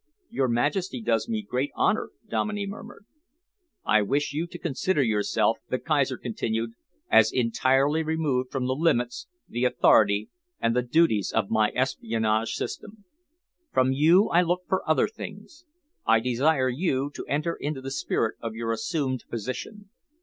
"Your Majesty does me great honour," Dominey murmured. "I wish you to consider yourself," the Kaiser continued, "as entirely removed from the limits, the authority and the duties of my espionage system. From you I look for other things. I desire you to enter into the spirit of your assumed position.